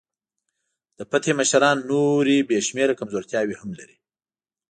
د فتح مشران نورې بې شمېره کمزورتیاوې هم لري.